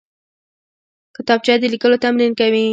کتابچه د لیکلو تمرین کوي